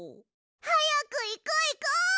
はやくいこういこう！